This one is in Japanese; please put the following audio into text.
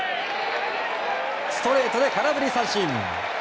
ストレートで空振り三振。